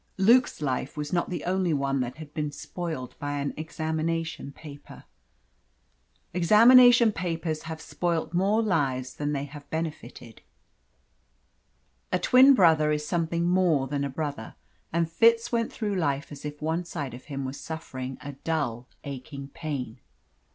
Luke's life was not the only one that had been spoiled by an examination paper. Examination papers have spoilt more lives than they have benefited. A twin brother is something more than a brother, and Fitz went through life as if one side of him was suffering a dull, aching pain.